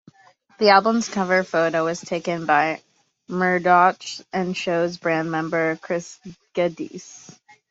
The album's cover photo was taken by Murdoch and shows band member Chris Geddes.